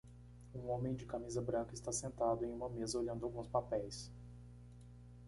Um homem de camisa branca está sentado em uma mesa olhando alguns papéis